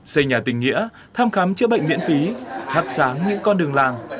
xây nhà tình nghĩa thăm khám chữa bệnh miễn phí thắp sáng những con đường làng